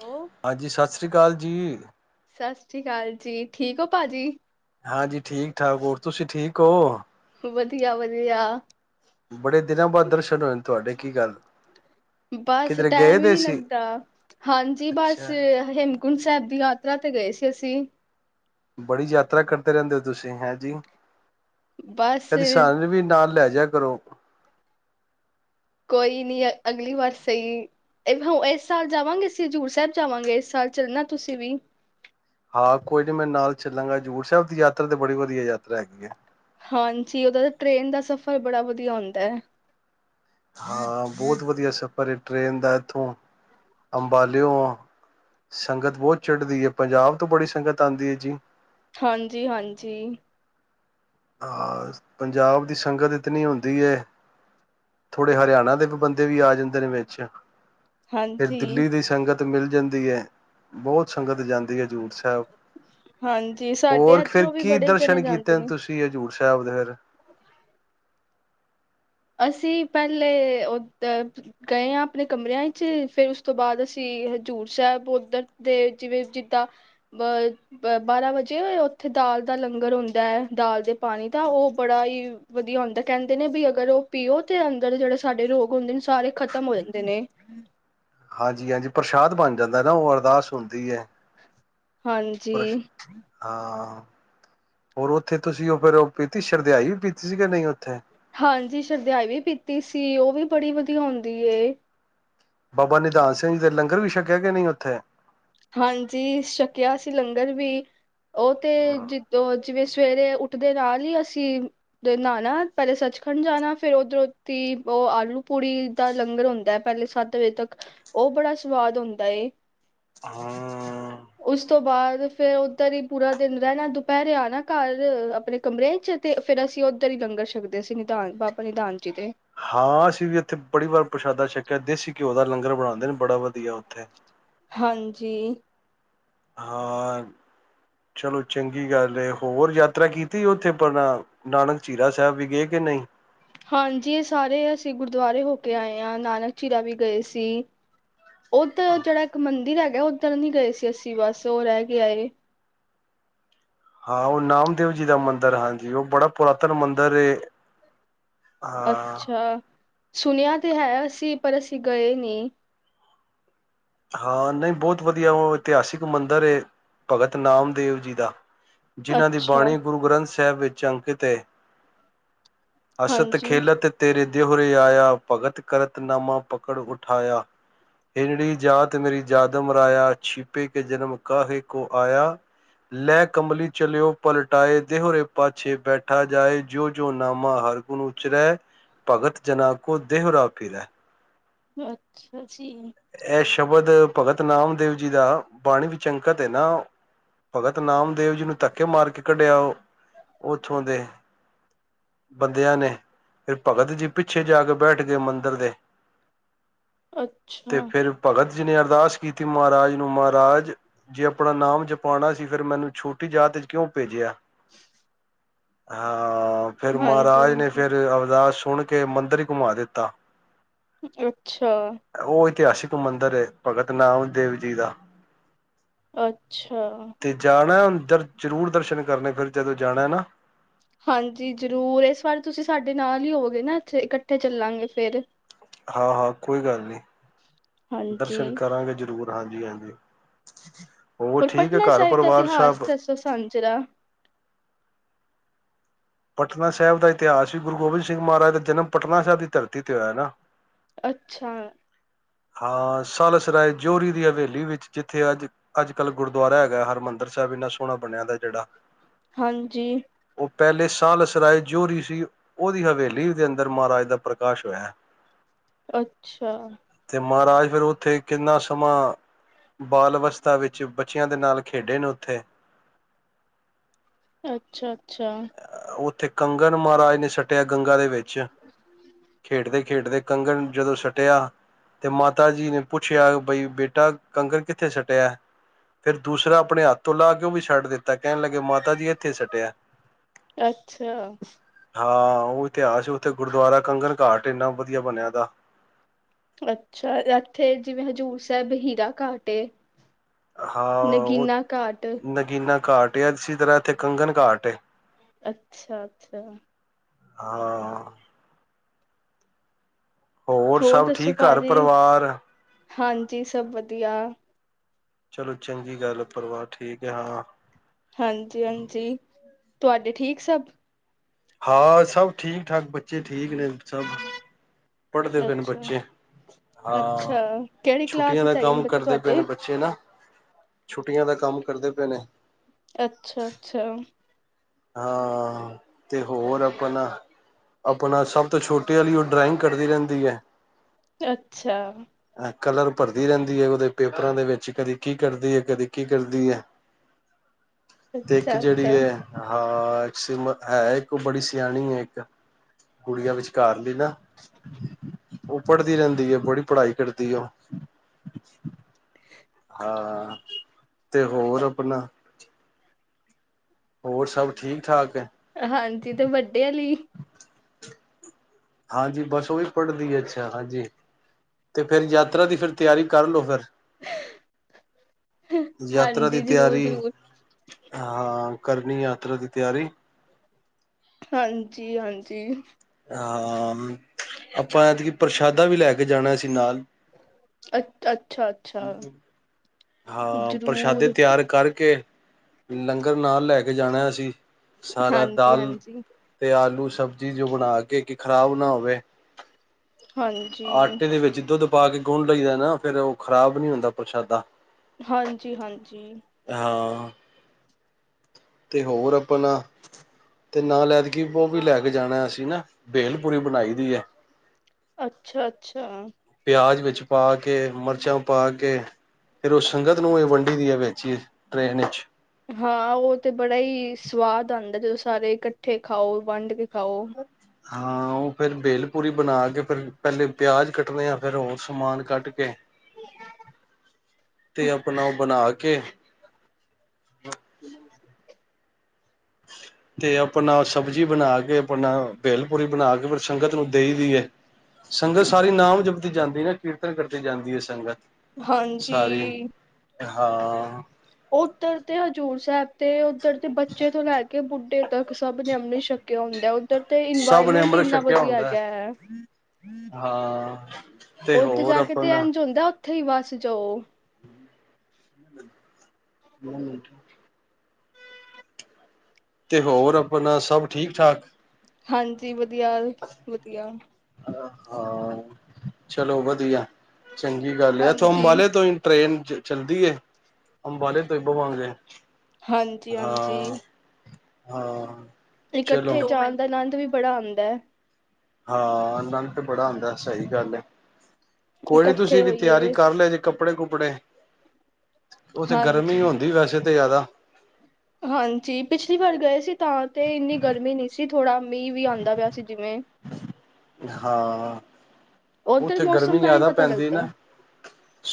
ਓ ਹਾਂਜੀ ਸਤਿ ਸ੍ਰੀ ਅਕਾਲ ਜੀ, ਸਤਿ ਸ਼੍ਰੀ ਅਕਾਲ ਜੀ ਠੀਕ ਹੋ ਭਾਜੀ? ਹਾਂਜੀ ਠੀਕ ਠਾਕ ਹੋਰ ਤੁਸੀਂ ਠੀਕ ਹੋ। ਵਧੀਆ-ਵਧੀਆ ਬੜੇ ਦਿਨਾਂ ਬਾਅਦ ਦਰਸ਼ਨ ਹੋਏ ਨੇ ਤੁਹਾਡੇ ਕੀ ਗੱਲ ਬਸ ਕਿਧਰੇ ਗਏ ਟਾਈਮ ਹੀ ਦੇ ਨਹੀਂ ਸੀ ਲੱਗਦਾ, ਹਾਂਜੀ ਬਸ ਅੱਛਾ ਹੇਮਕੁੰਟ ਸਾਹਿਬ ਦੀ ਯਾਤਰਾ ਤੇ ਗਏ ਸੀ ਅਸੀਂ, ਬੜੀ ਯਾਤਰਾ ਕਰਦੇ ਰਹਿੰਦੇ ਹੋ ਤੁਸੀਂ ਹੈਂ ਜੀ। ਬਸ ਕਦੀ ਸਾਨੂੰ ਵੀ ਨਾਲ ਲੈ ਇਆ ਕਰੋ। ਈ ਨੀ ਅਗਲੀ ਵਾਰ ਸਹੀ ਇਸ ਸਾਲ ਜਾਵਾਂਗੇ, ਅਸੀਂ ਹਜ਼ੂਰ ਸਾਹਿਬ ਜਾਵਾਂਗੇ, ਇਸ ਸਾਲ ਚੱਲਣਾ ਤੁਸੀਂ ਵੀ ਹਾਂ ਕੋਈ ਨੀ ਮੈਂ ਨਾਲ ਚੱਲਾਂਗਾ, ਸਾਹਿਬ ਦੀ ਯਾਤਰਾ ਤੇ ਬੜੀ ਵਧੀਆ ਯਾਤਰਾ ਹੈਗੀ ਹੈ। ਹਾਂਜੀ, ਉਹਦਾ ਦਾ ਟ੍ਰੇਨ ਦਾ ਸਫ਼ਰ ਬੜਾ ਵਧੀਆ ਹੁੰਦਾ ਹੈ। ਹਾਂ ਬਹੁਤ ਵਧੀਆ ਸਫ਼ਰ ਟ੍ਰਰੇਨ ਦਾ ਇੱਥੋਂ ਅੰਬਾਲਿਓ ਸੰਗਤ ਬਹੁਤ ਚੜ੍ਹਦੀ ਹੈ, ਪੰਜਾਬ ਤੋਂ ਬੜੀ ਸੰਗਤ ਆਉਂਦੀ ਹੈ ਜੀ। ਹਾਂਜੀ-ਹਾਂਜੀ, ਹਾਂ ਪੰਜਾਬ ਦੀ ਸੰਗਤ ਇਤਨੀ ਹੁੰਦੀ ਹੈ, ਥੋੜ੍ਹੇ ਹਰਿਆਣਾ ਦੇ ਵੀ ਬੰਦੇ ਵੀ ਆ ਜਾਂਦੇ ਨੇ ਵਿੱਚ ਫਿਰ ਹਾਂਜੀ ਦਿੱਲੀ ਦੀ ਸੰਗਤ ਮਿਲ ਜਾਂਦੀ ਹੈ, ਬਹੁਤ ਸੰਗਤ ਜਾਂਦੀ ਹੈ ਹਜ਼ੂਰ ਸਾਹਿਬ ਹਾਂਜੀ, ਸਾਡੇ ਐਧਰੋਂ ਵੀ ਬੜੇ ਜਣੇ ਜਾਂਦੇ ਨੇ। ਵੀ ਹਜੂਰ ਸਾਹਿਬ ਦੇ ਫੇਰ [inaudible] [inaudible] ਅਸੀਂ ਪਹਿਲੇ ਗਏ ਆ ਆਪਣੇ ਕਮਰਿਆਂ ਚ ਫਿਰ ਉਸ ਤੋਂ ਬਾਅਦ ਅਸੀਂ ਹਜੂਰ ਸਾਹਿਬ ਉਧਰ ਦੇ ਜਿਵੇਂ ਜਿੱਦਾਂ ਬਾਰਾ ਵਜੇ ਉਥੇ ਦਾਲ ਦਾ ਲੰਗਰ ਹੁੰਦਾ ਦਾਲ ਦੇ ਪਾਣੀ ਦਾ ਉਹ ਬੜਾ ਹੀ ਵਧੀਆ ਹੁੰਦਾ ਕਹਿੰਦੇ ਨੇ ਵੀ ਅਗਰ ਉਹ ਪੀਓ ਤੇ ਅੰਦਰ ਜੇੜੇ ਸਾਡੇ ਰੋਗ ਹੁੰਦੇ ਨੇ ਸਾਰੇ ਖਤਮ ਹੋ ਜਾਂਦੇ ਨੇ। ਹਾਂਜੀ ਹਾਂਜੀ, ਪ੍ਰਸ਼ਾਦ ਬਣ ਜਾਂਦੈ ਨਾ ਔ ਅਰਦਾਸ ਹੋੰਦੀ ਏ। ਹਾਂਜੀ। ਹਾਂ ਹੋਰ, ਔਥੇ ਤੁਸੀਂ ਔ ਫੇਰ ਔ ਪੀਤੀ ਸ਼ਰਦਿਆਈ ਵੀ ਪੀਤੀ ਸੀ ਕਿ ਨਹੀਂ ਔਥੇ? ਹਾਂਜੀ, ਸ਼ਰਧਿਆਈ ਵੀ ਪੀਤੀ ਸੀ, ਔ ਵੀ ਬੜੀ ਵਧੀਆ ਹੁੰਦੀ ਏ। ਬਾਬਾ ਨਿਧਾਨ ਸਿੰਘ ਜੀ ਦੇ ਲੰਗਰ ਵੀ ਛਕਿਐ ਕਿ ਨਹੀਂ ਔਥੇ? ਹਾਂਜੀ, ਛਕਿਆ ਸੀ ਲੰਗਰ ਵੀ। ਉਥੇ ਜਿਦੋ ਫਿਰ ਸਵੇਰੇ ਉੱਠਦੇ ਨਾਲ ਹੀ ਅਸੀਂ ਨਾਣਾ ਪਹਿਲੇ ਸੱਚਖੰਡ ਜਾਣਾ ਫਿਰ ਉਧਰੋ ਤੀ ਉਹ ਆਲੂ ਪੂੜੀ ਦਾ ਲੰਗਰ ਹੁੰਦਾ ਪਹਿਲੇ ਸੱਤ ਵਜੇ ਤੱਕ ਉਹ ਬੜਾ ਸਵਾਦ ਹੁੰਦਾ ਹ ਹਾਂ ਉਸ ਤੋਂ ਬਾਦ ਤੇ ਫੇਰ ਔਧਰ ਈ ਪੂਰਾ ਦਿਨ ਰੈਣੈ, ਦੁਪੈਰੇ ਆਣੈ ਘਰ ਅਪਣੇ ਕਮਰੇ ਚ ਤੇ ਫੇਰ ਅਸੀਂ ਔਧਰ ਈ ਲੰਗਰ ਛਕਦੇ ਸੀ ਨਿਧਾਨ ਬਾਬਾ ਨਿਧਾਨ ਜੀ ਦੇ। ਹਾਂ, ਅਸੀਂ ਵੀ ਐਥੇ ਬੜੀ ਵਾਰ ਪ੍ਰਸ਼ਾਦਾ ਛਕਿਆ ਦੇਸੀ ਘਿਓ ਦਾ ਲੰਗਰ ਬਣਾਂਦੇ ਨੇ ਬੜਾ ਵਧੀਆ, ਔਥੇ। ਹਾਂਜੀ। ਹਾਂ, ਚਲੋ ਚੰਗੀ ਗੱਲ ਏ, ਹੋਰ ਯਾਤਰਾ ਕੀਤੀ ਔਥੇ ਅਪਨਾ ਨਾਨਕ ਝੀਰਾ ਸੈਬ ਵੀ ਗੇ ਕਿ ਨਹੀਂ? ਹਾਂਜੀ, ਏਹ ਸਾਰੇ ਅਸੀਂ ਗੁਰਦੁਆਰੇ ਹੋ ਕੇ ਆਏ ਆਂ, ਨਾਨਕ ਚੀਰਾ ਵੀ ਗਏ ਸੀ। ਔਧਰ ਜੇੜਾ ਇੱਕ ਮੰਦਿਰ ਹੈਗਾ ਓਧਰ ਨੀ ਗਏ ਸੀ ਅਸੀਂ ਬਸ ਓਹ ਰਹਿ। ਗਿਆ ਏ। ਹਾਂ ਓਹ ਨਾਮਦੇਵ ਜੀ ਦਾ ਮੰਦਰ ਹਾਂਜੀ, ਓਹ ਬੜਾ ਪੁਰਾਤਨ ਮੰਦਰ ਏ। ਹਾਂ ਅੱਛਾ। ਸੁਣਿਆ ਤੇ ਹੈ ਅਸੀਂ ਪਰ ਅਸੀਂ ਗਏ ਨੀ। ਹਾਂ, ਨਹੀਂ ਬੌਤ ਵਧੀਆ ਔ ਇਤਿਹਾਸਿਕ ਮੰਦਰ ਏ ਭਗਤ ਨਾਮਦੇਵ ਜੀ ਦਾ। ਜਿਨ੍ਹਾਂ ਦੀ ਅੱਛਾ ਬਾਣੀ ਗੁਰੂ ਗ੍ਰੰਥ ਸ ਸਾਹਿਬ ਵਿੱਚ ਅੰਕਿਤ ਏ। ਅਸਤ ਹਾਂਜੀ। ਖੇਲਤ ਤੇਰੇ ਦੇਹੁਰੇ ਆਇਆ ਭਗਤ ਕਰਤਨਾਮਾ ਪਕੜ ਉਠਾਇਆ ਇਨੜੀ ਜਾਤ ਮੇਰੀ ਜਾਦਮ ਰਾਇਆ ਛਿਪੇ ਕੇ ਜਨਮ ਕਾਹੇ ਕੋ ਆਇਆ ਲੈ ਕਮਲੀ ਚਲਿਓ ਪਲਟਾਏ ਦੇਹੁਰੇ ਪਾਛੇ ਬੈਠਾ ਜਾਏ। ਜੋ ਜੋ ਨਾਮਾ ਹਰਗੁਣ ਉਚਰੈ ਭਗਤ ਜਨਾ ਕੋ ਦੇਹੁਰਾ ਪੀਰੈ। ਅੱਛਾ। ਜੀ। ਐ ਸ਼ਬਦ ਭਗਤ ਨਾਮਦੇਵ ਜੀ ਦਾ ਬਾਣੀ ਵਿੱਚ ਅੰਕਤ ਏ ਨਾ, ਭਗਤ ਨਾਮਦੇਵ ਜੀ ਨੂੰ ਧੱਕੇ ਮਾਰ ਕੇ ਕੱਢਿਆ ਉਥੋ ਦੇ ਦੇ ਬੰਦਿਆਂ ਨੇ ਫੇਰ ਭਗਤ ਜੀ ਪਿੱਛੇ ਜਾ ਕੇ ਬੈਠ ਗੇ ਮੰਦਰ ਦੇ। ਅੱਛ ਤੇ ਫੇਰ ਭਗਤ ਜੀ ਨੇ ਅਰਦਾਸ ਕੀਤੀ ਮਹਾਰਾਜ ਨੂੰ, ਮਹਾਰਾਜ ਜੇ ਅਪਣਾ ਨਾਮ ਜਪਾਣਾ ਸੀ ਫੇਰ ਮੈਨੂੰ ਛੋਟੀ ਜਾਤ ਚ ਕਿਓ ਭੇਜਿਆ? [inaudible] [inaudible] ਹਾਂ। ਆਂ ਫੇਰ ਹਾਂਜੀ ਮਹਾਰਾਜ ਨੇ ਹਾਂਜੀ ਫੇਰ ਅਵਦਾਸ ਸੁਣ ਤੇ ਮੰਦਰ ਹੀ ਘੁੰਮਾ ਦਿੱਤਾ। ਅੱਛਾ। ਉਹ ਇਤਿਹਾਸਿਕ ਮੰਦਰ ਏ ਭਗਤ ਨਾਮ ਦੇਵ ਜੀ ਦਾ। ਅੱਛਾ। ਫੇਰ ਜ਼ਰੂਰ ਦਰਸ਼ਨ ਕਰਨੇ ਫਿਰ ਜਦੋਂ ਜਾਣਾ ਨਾ। ਹਾਂਜੀ ਜ਼ਰੂਰ, ਇਸ ਵਾਰ ਤੁਸੀਂ ਸਾਡੇ ਨਾਲ ਹੀ ਹੋਵਗੇ ਨਾ ਇੱਥੇ ਇਕੱਠੇ ਚੱਲਾਂਗੇ ਫੇਰ। ਹਾਂ-ਹਾਂ ਕੋਈ ਗੱਲ ਨੀ। ਹਾਂਜੀ ਦਰਸ਼ਨ ਕਰਾਂਗੇ ਜ਼ਰੂਰ। ਹਾਂਜੀ-ਹਾਂਜੀ। ਹੋਰ ਪਟਨਾ ਸਾਹਿਬ ਦਾ ਇਤਿਹਾਸ ਦੱਸੋ ਸਾਨੂੰ ਜਰਾ। ਪਟਨਾ ਸਾਹਿਬ ਦਾ ਇਤਿਹਾਸ ਵੀ ਗੁਰੂ ਗੋਬਿੰਦ ਸਿੰਘ ਮਹਾਰਾਜ ਦਾ ਜਨਮ ਪਟਨਾ ਸਾਹਿਬ ਦੀ ਧਰਤੀ ਤੇ ਹੋਇਆ ਨਾ। ਅੱਛਾ। ਹਾਂ ਸਾਲਸਰਾਏ ਜੋਰੀ ਦੀ ਹਵੇਲੀ ਵਿੱਚ ਜਿੱਥੇ ਅੱਜ, ਅੱਜ-ਕੱਲ੍ਹ ਗੁਰਦੁਆਰਾ ਹੈਗਾ ਹਰਿਮੰਦਰ ਸਾਹਿਬ, ਇੰਨਾ ਸੋਹਣਾ ਬਣਿਆ ਦਾ ਜਿਹੜਾ। ਹਾਂਜੀ। ਉਹ ਪਹਿਲੇ ਸਾਲਸਰਾਏ ਜੋਰਹੀ ਸੀ ਉਹਦੀ ਹਵੇਲੀ ਦੇ ਅੰਦਰ ਮਹਾਰਾਜ ਦਾ ਪ੍ਰਕਾਸ਼ ਹੋਇਆ ਐ। ਅੱਛਾ। ਤੇ ਮਹਾਰਾਜ ਫਿਰ ਉੱਥੇ ਕਿੰਨਾ ਸਮਾਂ ਬਾਲ ਅਵਸਥਾ ਵਿੱਚ ਬੱਚਿਆਂ ਦੇ ਨਾਲ ਖੇਡੇ ਨੇ ਉੱਥੇ। ਅੱਛਾ-ਅੱਛਾ। ਉੱਥੇ ਕੰਗਨ ਮਹਾਰਾਜ ਨੇ ਸਟਿਆ ਗੰਗਾ ਦੇ ਵਿੱਚ। ਚ ਖੇਡਦੇ ਖੇਡਦੇ ਕੰਗਰ ਜਦੋਂ ਸੱਟਿਆ ਤੇ ਮਾਤਾ ਜੀ ਨੇ ਪੁੱਛਿਆ ਬਈ ਬੇਟਾ ਕੰਗਰ ਕਿੱਥੇ ਸਟਿਆ? ਫਿਰ ਦੂਸਰਾ ਆਪਨੇ ਹੱਥ ਤੋਂ ਲਾ ਕੇ ਉਹ ਵੀ ਛੱਟ ਦਿੱਤਾ ਕਹਿਣ ਲੱਗੇ ਮਾਤਾ ਜੀ ਇੱਥੇ ਸੱਟਿਆ। ਅੱਛਾ। ਹਾਂ ਉਹ ਇਤਿਹਾਸ ਉੱਥੇ ਗੁਰਦੁਆਰਾ ਕੰਗਣ ਘਾਟ, ਇੰਨਾ ਵਧੀਆ ਬਨਿਆ ਦਾ। ਅੱਛਾ, ਇੱਥੇ ਜਿਵੇਂ ਹਜ਼ੂਰ ਸਾਹਿਬ ਹੀਰਾ ਘਾਟ ਏ ਹਾਂ, ਉਹ ਨਗੀਨਾ ਘਾਟ ਨਗੀਨਾ ਘਾਟ ਏਸੀ ਤਰ੍ਹਾਂ ਇੱਥੇ ਕੰਗਣ ਘਾਟ ਏ। ਅੱਛਾ-ਅੱਛਾ। ਹਾਂ। ਹੋਰ ਸਭ ਦੱਸੋ ਠੀਕ ਘਰ ਭਾਜੀ ਪਰਵਾਰ? ਹਾਂਜੀ, ਸਭ ਵਧੀਆ। ਚਲੋ ਚੰਗੀ ਗੱਲ ਏ, ਪਰਵਾਾਰ ਠੀਕ ਏ ਹਾਂ। ਹਾਂਜੀ-ਹਾਂਜੀ। ਤੁਹਾਡੇ ਠੀਕ ਸਭ? ਹਾਂ ਸਭ ਠੀਕ ਠਾਕ ਬੱਚ ਬੱਚੇ ਠੀਕ ਨੇ ਸਭ। ਪੜ੍ਹਦੇ ਪਏ ਨੇ ਅੱਛਾ ਬੱਚੇ, ਹਾਂ ਅੱਛਾ ਕਿਹੜੀ ਛੁੱਟੀਆਂ ਕਲਾਸ ਦਾ ਵਿੱਚ ਹੈਗੇ ਨੇ ਕੰਮ ਬੱਚੇ ਕਰਦੇ ਪਏ ਤੁਹਾਡੇ ਨੇ ਬੱਚੇ ਨਾ, ਛੁੱਟੀਆਂ ਦਾ ਕੰਮ ਕਰਦੇ [unintelligible] ਅੱਛਾ-ਅੱਛਾ। ਹਾਂ ਤੇ ਹੋਰ ਆਪਣਾ-ਆਪਣਾ ਸਭ ਤੋਂ ਛੋਟੀ ਵਾਲੀ ਉਹ ਡਰਾਇੰਗ ਕਰਦੀ ਰਹਿੰਦੀ ਏ। ਅੱਛਾ। ਕਲਰ ਭਰਦੀ ਰਹਿੰਦੀ ਹੈ, ਉਹਦੇ ਪੇਪਰਾਂ ਦੇ ਵਿੱਚ ਕਦੇ ਕੀ ਕਰਦੀ ਹੈ, ਕਦੀ ਕੀ ਕਰਦੀ ਹੈ। ਤੇ ਇੱਕ ਅੱਛਾ ਜਿਹੜੀ ਅੱਛਾ ਏ। ਹਾਂ ਹੈ ਇੱਕ ਉਹ ਬੜੀ ਸਿਆਣੀ ਏ ਇੱਕ, ਗੁੜੀਆਂ ਵਿਚਕਾਰ ਲੀ ਨਾ ਉਹ ਪੜ੍ਹਦੀ ਰਹਿੰਦੀ ਹੈ, ਬੜੀ ਪੜ੍ਹਾਈ ਕਰਦੀ ਐ। ਹਾਂ ਤੇ ਹੋਰ ਆਪਣਾ ਹੋਰ ਸਭ ਠੀਕ ਠਾਕ ਏ। ਹਾਂਜੀ ਤੇ ਵੱਡੇ ਆਲੀ। ਹਾਂਜੀ ਬਸ ਉਹ ਵੀ ਪੜਦੀ ਹੈ, ਅੱਛਾ ਹਾਂਜੀ ਤੇ ਫੇਰ ਯਾਤਰਾ ਦੀ ਫਿਰ ਤਿਆਰੀ ਕਰਲੋ ਫਿਰ ਯਾਤਰਾ ਦੀ ਹਾਂਜੀ ਜ਼ਰੂਰ ਤਿਆਰੀ ਜ਼ਰੂਰ ਹਾਂ। ਕਰਨੀ ਯਾਤਰਾ ਦੀ ਤਿਆਰੀ। ਹਾਂਜੀ-ਹਾਂਜੀ। ਹਾਂ ਆਪਾਂ ਐਤਕੀ ਪ੍ਰਸ਼ਾਦਾ ਵੀ ਲੈ ਕੇ ਜਾਣਾ ਸੀ ਨਾਲ ਅੱਛਾ ਅੱਛਾ ਅੱਛਾ, ਹਾਂ ਪ੍ਰਸ਼ਾਦੇ ਜ਼ਰੂਰ ਤਿਆਰ ਕਰਕੇ ਲੰਗਰ ਨਾਲ ਲੈ ਕੇ ਜਾਣਾ ਅਸੀ। ਸਾਰਾ ਹਾਂਜੀ ਦਾਲ ਹਾਂਜੀ ਤੇ ਆਲੂ, ਸਬਜ਼ੀ ਬਣਾ ਕੇ ਕਿ ਖ਼ਰਾਬ ਨਾ ਹੋਵੇ। ਹਾਂਜੀ ਆਟੇ ਦੇ ਵਿੱਚ ਦੁੱਧ ਪਾ ਕੇ ਗੁਨ ਲਈਦਾ ਨਾ ਫੇਰ ਉਹ ਖਰਾਬ ਨੀ ਹੁੰਦਾ ਪ੍ਰਸ਼ਾਦਾ। ਹਾਂਜੀ-ਹਾਂਜੀ। ਹਾਂ। ਤੇ ਹੋਰ ਆਪਣਾ ਤੇ ਨਾ ਲੈ ਤੇ ਕੀ ਉਹ ਵੀ ਲੈ ਕੇ ਜਾਣਾ ਅਸੀਂ ਨਾ ਵੇਲਪੂਰੀ ਬਣਾਈ ਦੀ ਏ। ਅੱਛਾ-ਅੱਛਾ। ਚ ਪਾ ਕੇ, ਮਿਰਚਾਂ ਪਾ ਕੇ, ਫਿਰ ਉਹ ਸੰਗਤ ਨੂੰ ਇਹ ਵੰਡੀ ਦੀ ਹੈ ਵੇਚੀਏ ਟ੍ਰੇਨ ਵਿੱਚ ਹਾਂ ਉਹ ਤੇ ਬੜਾ ਹੀ ਸਵਾਦ ਆਦਾ ਜਦੋਂ ਸਾਰੇ ਇਕੱਠੇ ਖਾਓ, ਵੰਡ ਕੇ ਖਾਓ। ਹਾਂ ਉਹ ਫੇਰ ਵੇਲ ਪੂਰੀ ਬਣਾ ਕੇ ਫੇਰ ਪਹਿਲੇ ਪਿਆਜ ਕੱਟਣੇ ਆ। ਫੇਰ ਉਹ ਸਮਾਨ ਕੱਟ ਕੇ ਤੇ ਆਪਣਾ ਉਹ ਬਣਾ ਕੇ। ਕੇ ਤੇ ਆਪ ਆਪਣਾ ਸਬਜ਼ੀ ਬਣਾ ਕੇ ਆਪਣਾ ਵੇਲਪੂਰੀ ਬਣਾ ਕੇ ਫਿਰ ਸੰਗਤ ਨੂੰ ਦੇਈ ਦੀ ਹੈ, ਸੰਗਤ ਸਾਰੀ ਨਾਮ ਜਪਦੀ ਜਾਂਦੀ ਏ ਕੀਰਤਨ ਕਰਦੀ ਜਾਂਦੀ ਏ, ਸੰਗਤ ਹਾਂਜੀ। ਸਾਰੀ। ਹਾਂ। ਉੱਧਰ ਤੇ ਹਜ਼ੂਰ ਸਾਹਿਬ ਤੇ ਉਧੱਰ ਬੱਚੇ ਤੋਂ ਲੈ ਕੇ ਬੁੱਢੇ ਤੱਕ ਸਭ ਨੇ ਅਮ੍ਰਿਤ ਛਕ ਛੱਕਿਆ ਹੁੰਦਿਆ। ਉਧਰ ਤੇ ਸਭ ਨੇ ਇਨਵਾਇਰਮੈਂਟ ਅੰਮ੍ਰਿਤ ਇੰਨਾ ਛਕਿਆ ਵਧੀਆ ਹੁੰਦਾ ਹੈਗਾ ਹੈ, ਹਾਂ। ਤੇ ਉਧਰ ਹੋਰ ਜਾ ਕੇ ਤੇ ਆਪਣਾ ਇੰਝ ਹੁੰਦਾ। ਉੱਥੇ ਹੀ ਵਸ ਜਾਓ। ਹਮ ਤੇ ਹੋਰ ਆਪਣਾ ਸਭ ਠੀਕ ਠਾਕ ਹਾਂਜੀ ਵਧੀਆ ਵਧੀਆ ਹਾਂ ਚਲੋ ਵਧੀਆ ਚੰਗੀ ਗੱਲ ਇੱਥੋਂ ਹਾਂਜੀ ਅੰਬਾਲੇ ਤੋਂ ਹੀ ਟ੍ਰੇਨ ਚਲਦੀ ਹੈ ਅੰਬਾਲੇ ਤੋਂ ਹੀ ਬਵਾਂਗੇ ਹਾਂਜੀ ਹਾਂਜੀ ਹਾਂ ਹਾਂ ਚਲੋ। ਇਕੱਠੇ ਜਾਣ ਮਿੰਟ ਦਾ ਆਨੰਦ ਵੀ ਬੜਾ ਆਉਂਦਾ ਹੈ ਹਾਂ ਨੰਦ ਤੇ ਬੜਾ ਹੁੰਦਾ ਸਹੀ ਗੱਲ ਹੈ ਕੋਈ ਨੀ ਤੁਸੀਂ ਇਕੱਠੇ ਵੀ ਤਿਆਰੀ ਹੋਈਏ ਕਰ ਲਿਆ ਜੇਕ ਕੱਪੜੇ ਕੁਪੜੇ ਉਥੇ ਗਰਮੀ ਹਾਂਜੀ ਹੁੰਦੀ ਵੈਸੇ ਤਾਂ ਤੇ ਜ਼ਿਆਦਾ ਹਾਂਜੀ ਪਿਛਲੀ ਵਾਰ ਗਏ ਸੀ ਤਾਂ ਤੇ ਇੰਨੀ ਗਰਮੀ ਨਹੀਂ ਸੀ ਥੋੜਾ ਮੀਂਹ ਵੀ ਆਉਂਦਾ ਪਿਆ ਸੀ ਜਿਵੇਂ ਹਾਂ ਉੱਧਰ ਉੱਥੇ ਗਰਮੀ ਮੌਸਮ ਦਾ ਨਹੀਂ ਜ਼ਿਆਦਾ ਪਤਾ ਪੈਂਦੀ ਲੱਗਦਾ ਨਾ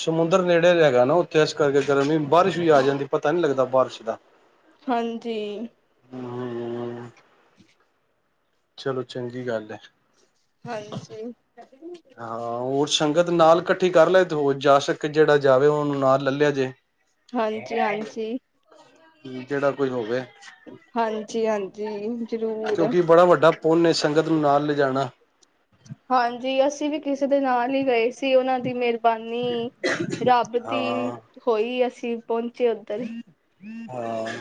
ਸਮੁੰਦਰ ਨੇੜੇ ਹੈ ਨਾ ਉੱਥੇ ਇਸ ਕਰਕੇ ਗਰਮੀ ਬਾਰਿਸ਼ ਵੀ ਆ ਜਾਂਦੀ ਪਤਾ ਨਹੀਂ ਲੱਗਦਾ ਬਾਰਿਸ਼ ਦਾ ਹਾਂਜੀ ਹਮ ਹਮ ਚਲੋ ਚੰਗੀ ਗੱਲ ਹੈ ਹਾਂਜੀ ਹੋਰ ਸੰਗਤ ਨਾਲ ਇਕੱਠੀ ਕਰ ਲੈ ਤੇ ਉਹ ਜਾ ਸਕੇ ਜਿਹੜਾ ਜਾਵੇ ਉਹਨੂੰ ਨਾਲ ਲੈ ਲਿਆ ਜੇ ਹਾਂਜੀ ਹਾਂਜੀ ਜਿਹੜਾ ਕੋਈ ਹੋਵੇ ਹਾਂ ਜੀ ਹਾਂਜੀ ਜ਼ਰੂਰ ਕਿਉਂਕਿ ਬੜਾ ਵੱਡਾ ਪੁੰਨ ਏ ਸੰਗਤ ਨੂੰ ਨਾਲ ਲਿਜਾਣਾ ਹਾਂਜੀ ਅਸੀਂ ਵੀ ਕਿਸੇ ਦੇ ਨਾਲ ਹੀ ਗਏ ਸੀ ਉਹਨਾਂ ਦੀ ਮੇ ਹਰਬਾਨੀ ਰੱਬ ਦੀ ਹਾਂ ਹੋਈ ਅਸੀਂ ਸੀਂ ਪਹੁੰਚੇ ਉੱਧਰ ਹਾਂ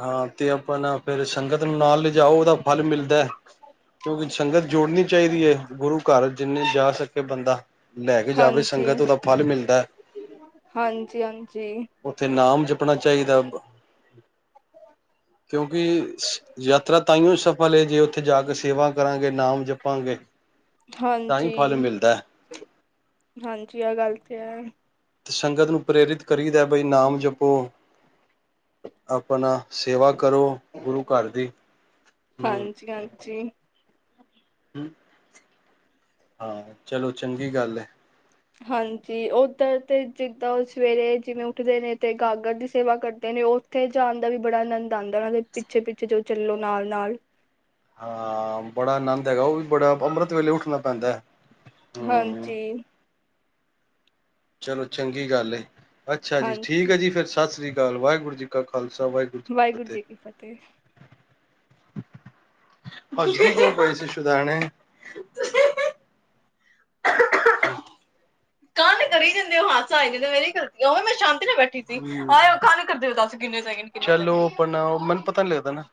ਹਾਂ ਤੇ ਆਪਾਂ ਨਾ ਫਿਰ ਸੰਗਤ ਨੂੰ ਨਾਲ ਲਿਜਾਓ ਉਹਦਾ ਫਲ ਮਿਲਦਾ ਕਿਉਂਕਿ ਸੰਗਤ ਜੋੜਨੀ ਚਾਹੀਦੀ ਐ, ਗੁਰੂ ਘਰ ਜਿੰਨੇ ਜਾ ਸਕੇ ਬੰਦਾ। ਲੈ ਕੇ ਜਾਵੇ ਹਾਂਜੀ ਸੰਗਤ ਉਹਦਾ ਫਲ ਮਿਲਦਾ ਐ। ਹਾਂਜੀ ਹਾਂਜੀ ਨਾਮ ਜਪਣਾ ਚਾਹੀਦਾ, ਕਿਉਂਕਿ ਯਾਤਰਾ ਤਾਂਈਓ ਸਫਲ ਏ ਜੇੇ ਉੱਥੇ ਜਾ ਕੇ ਸੇਵਾ ਕਰਾਂਗੇ, ਨਾਮ ਜਪਾਂਗੇ, ਤਾਂ ਹੀ ਫਲ ਹਾਂਜੀ ਮਿਲਦਾ ਐ। ਹਾਂਜੀ ਆਹ ਗੱਲ ਤੇ ਹੈ ਤੇ ਸੰਗਤ ਨੂੰ ਪ੍ਰੇਰਿਤ ਕਰੀਦਾ ਬਈ ਨਾਮ ਜਪੋ ਆਪਣਾ ਸੇਵਾ ਕਰੋ, ਗੁਰੂ ਘਰ ਦੀ, ਹੂੰ। ਹਾਂਜੀ ਹਾਂਜੀ ਹੂੰ। ਹਾਂ ਚਲੋ, ਚੰਗੀ ਗੱਲ ਏ। ਹਾਂਜੀ ਉਧਰ ਤੇ ਜਿੱਦਾਂ ਉਹ ਸਵੇਰੇ ਜਿਵੇਂ ਉੱਠਦੇ ਨੇ ਤੇ ਗਾਗਰ ਦੀ ਸੇਵਾ ਕਰਦੇ ਨੇ, ਉੱਥੇ ਜਾਣ ਦਾ ਵੀ ਬੜਾ ਆਨੰਦ ਆਦਾ ਉਹਨਾਂ ਦੇ ਪਿੱਛੇ-ਪਿੱਛੇ ਜੋ ਚੱਲੋ ਨਾਲ-ਨਾਲ। ਹਾਂ ਬੜਾ ਆਨੰਦ ਹੈਗਾ, ਉਹ ਵੀ ਬੜਾ ਅੰਮ੍ਰਿਤ ਵੇਲੇ ਉੱਠਣਾ ਪੈਂਦਾ ਐ। ਹਾਂਜੀ। ਚਲੋ, ਚੰਗੀ ਗੱਲ ਏ। ਅੱਛਾ ਜੀ, ਠੀਕ ਹਾਂਜੀ ਐ ਜੀ ਫੇਰ ਸੱਤ ਸ੍ਰੀ ਅਕਾਲ, ਵਾਹਿਗੁਰੂ ਜੀ ਕਾ ਖਾਲ ਵਾਹਿਗੁਰੂ ਜੀ ਕੀ ਫਤਿਹ। ਹਸਦੀ ਕਿਉ ਪਈ ਸੀ ਸੁਦੈਣੇ? ਕਾ ਤੇ ਕਰੀ ਜ ਮੈਨੁੰ ਹਾਸਾ ਆ ਜਾਦਾ ਮੈਂ ਨੀ ਕਰਦੀ ਉਵੇ ਮੈਂ ਸ਼ਾਂਤੀ ਨਾਲ ਬੈਠੀ ਸੀ, ਹਾਏ ਉਹ ਗੱਲ ਕਰਦੇ ਕਿੰਨੇ ਸੈਕੰਡ ਕਿੰਨੇ ਸੈਕੰਡ ਚਲੋ ਆਪ ਮੈਨੂੰ ਪਤਾ ਨੀ ਲੱਗਦਾ ਨਾ